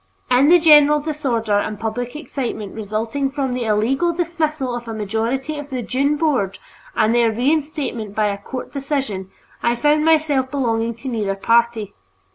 In the general disorder and public excitement resulting from the illegal dismissal of a majority of the "Dunne" board and their reinstatement by a court decision, I found myself belonging to neither party.